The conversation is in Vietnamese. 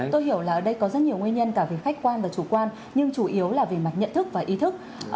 tôi hiểu là ở đây có rất nhiều nguyên nhân cả về khách quan và chủ quan nhưng chủ yếu là về mặt nhận thức và ý thức